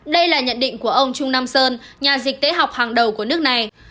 đây là nhận định của ông trung nam sơn nhà dịch tễ học hàng đầu của nước này